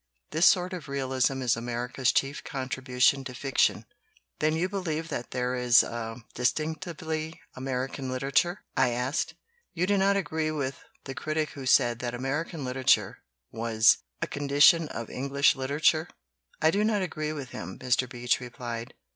This sort of realism is America's chief contribution to fiction." "Then you believe that there is a distinctively American literature?" I asked. "You do not agree with the critic who said that American literature was 'a condition of English literature'?" "I do not agree with him," Mr. Beach replied.